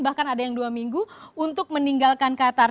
bahkan ada yang dua minggu untuk meninggalkan qatar